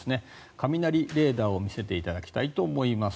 雷レーダーを見ていきたいと思います。